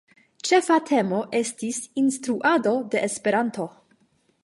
Ĉefa temo estis "Instruado de Esperanto".